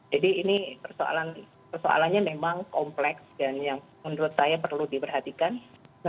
jadi ini persoalannya memang kompleks dan yang menurut saya perlu diperhatikan baik oleh pemerintah gitu ya